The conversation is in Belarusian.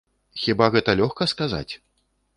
Хіба гэта лёгка сказаць?